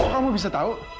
kamu bisa tahu